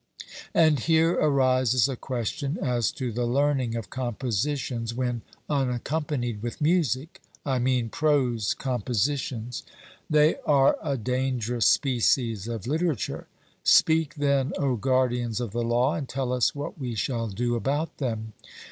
And here arises a question as to the learning of compositions when unaccompanied with music, I mean, prose compositions. They are a dangerous species of literature. Speak then, O guardians of the law, and tell us what we shall do about them.